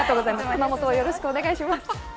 熊本をよろしくお願いします。